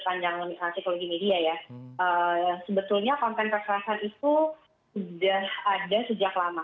kalau kita melihat dari sudut pandang psikologi media ya sebetulnya konten kekerasan itu sudah ada sejak lama